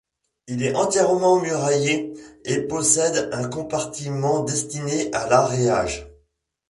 Il est entièrement muraillé et possède un compartiment destiné à l'aérage.